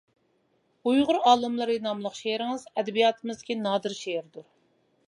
ئۇيغۇر ئالىملىرى ناملىق شېئىرىڭىز ئەدەبىياتىمىزدىكى نادىر شېئىردۇر.